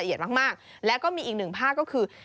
ละเอียดมากแล้วก็มีอีกหนึ่งผ้าก็คือ